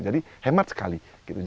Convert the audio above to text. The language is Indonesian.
jadi hemat sekali